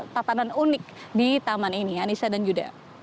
tatanan unik di taman ini anissa dan yuda